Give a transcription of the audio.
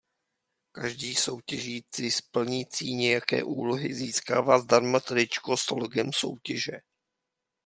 Každý soutěžíci splnící nějaké úlohy získává zdarma tričko s logem soutěže.